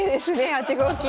８五金。